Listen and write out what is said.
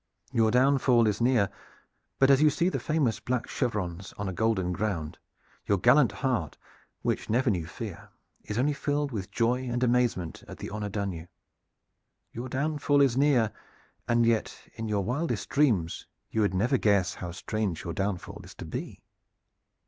Your downfall is near; but as you see the famous black chevrons on a golden ground your gallant heart which never knew fear is only filled with joy and amazement at the honor done you. Your downfall is near, and yet in your wildest dreams you would never guess how strange your downfall is to be.